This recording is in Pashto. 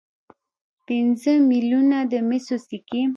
پنځه میلیونه د مسو سکې.